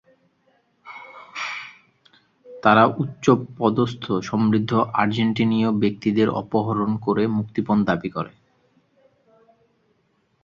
তারা উচ্চ পদস্থ সমৃদ্ধ আর্জেন্টিনীয় ব্যক্তিদের অপহরণ ক'রে মুক্তিপণ দাবি করে।